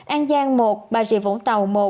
an giang một bà rịa vũng tàu một